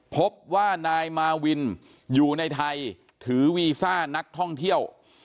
พบว่านายมาวินอยู่ในไทยถือวีซ่านักท่องเที่ยว